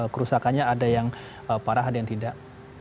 kerusakannya ada yang parah ada yang tidak